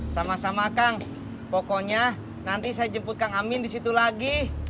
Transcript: sama sama kang pokoknya nanti saya jemput kang amin di situ lagi